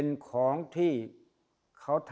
ไม่มีอะไร